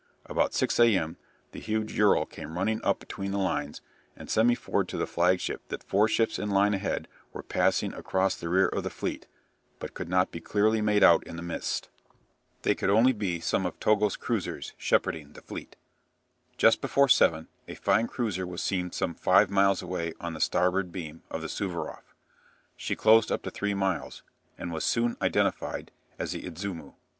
About 6 a.m. the huge "Ural" came running up between the lines, and semaphored to the flagship that four ships in line ahead were passing across the rear of the fleet, but could not be clearly made out in the mist. They could only be some of Togo's cruisers "shepherding" the fleet. Just before seven a fine cruiser was seen some five miles away on the starboard beam of the "Suvaroff." She closed up to three miles, and was soon identified as the "Idzumo."